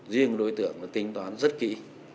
riêng đối tượng nó tinh toán rất kỹ